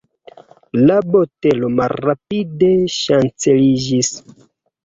La botelo malrapide ŝanceliĝis.